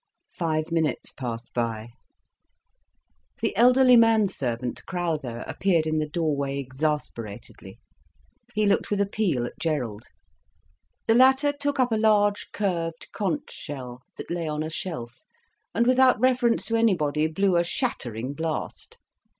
Five minutes passed by. The elderly manservant, Crowther, appeared in the doorway exasperatedly. He looked with appeal at Gerald. The latter took up a large, curved conch shell, that lay on a shelf, and without reference to anybody, blew a shattering blast.